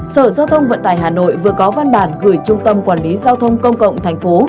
sở giao thông vận tải hà nội vừa có văn bản gửi trung tâm quản lý giao thông công cộng thành phố